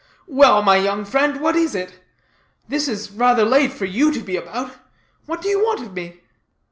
Well, my young friend, what is it? This is rather late for you to be about. What do you want of me?"